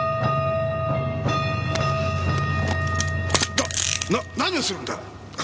なっ何をするんだ！？